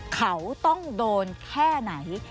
เขาต้องโดนแค่ไหน